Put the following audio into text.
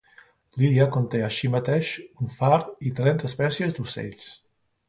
L'illa conté així mateix un far i trenta espècies d'ocells.